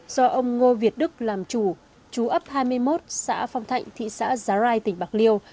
do ông ngô việt đức làm chủ chú ấp hai mươi một xã phong thạnh thị xã giá rai tỉnh bạc liêu